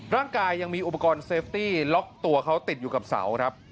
ร่างกายยังมีอุปกรณ์เซฟตี้ล็อกตัวเขาติดอยู่กับเสาครับ